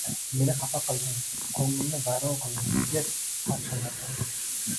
Meni xafa qilding, ko'nglimni vayron qilding. Ket, qarshimda turma.